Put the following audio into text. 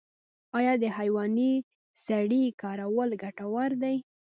آیا د حیواني سرې کارول ګټور دي؟